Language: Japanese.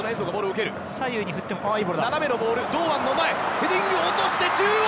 ヘディング、落として中央！